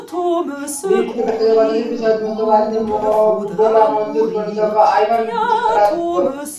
বিশিষ্ট ব্যক্তিত্ব কথাশিল্পী সৈয়দ মুজতবা আলী, মকবুলা মনজুর, গণিতজ্ঞ আইভান ভিনগ্রাদভ।